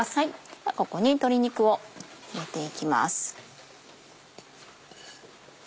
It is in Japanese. ではここに鶏肉を入れていきます。